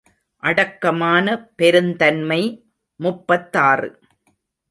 அடக்கமான பெருந்தன்மை முப்பத்தாறு.